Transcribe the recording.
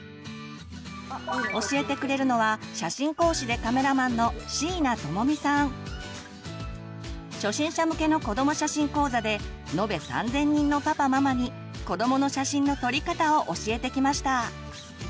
教えてくれるのは初心者向けの子ども写真講座で延べ３，０００人のパパママに子どもの写真の撮り方を教えてきました。